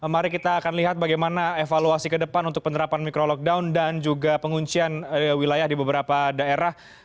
mari kita akan lihat bagaimana evaluasi ke depan untuk penerapan micro lockdown dan juga penguncian wilayah di beberapa daerah